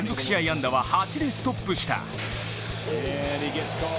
安打は８でストップした。